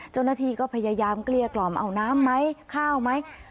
เจ้าหน้าที่ก็พยายามเกลี้ยกล่อมเอาน้ำไหมข้าวไหม